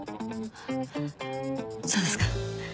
そうですか。